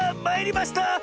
まいりました！